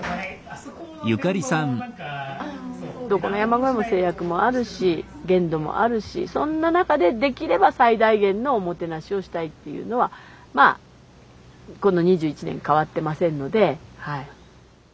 どこの山小屋も制約もあるし限度もあるしそんな中でできれば最大限のおもてなしをしたいっていうのはまあこの２１年変わってませんのではい。